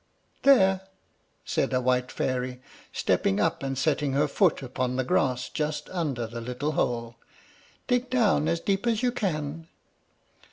"There," said a white fairy, stepping up and setting her foot on the grass just under the little hole. "Dig down as deep as you can."